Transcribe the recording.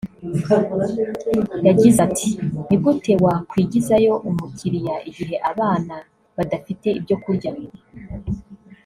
yagize ati “ Ni gute wakwigizayo umukiriya igihe abana badafite ibyo kurya